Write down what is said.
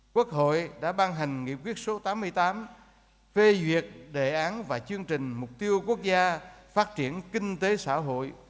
quốc hội đã ban hành nghị quyết số tám mươi tám phê duyệt đề án và chương trình mục tiêu quốc gia phát triển kinh tế xã hội